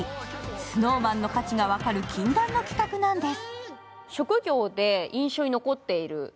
ＳｎｏｗＭａｎの価値が分かる禁断の企画なんです。